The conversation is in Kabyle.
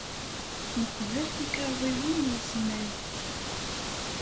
Nqebbel tikarḍiwin n wesmad.